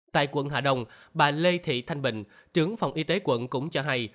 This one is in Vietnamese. tại quận hạ đồng bà lê thị thanh bình trưởng phòng y tế quận cũng cho hay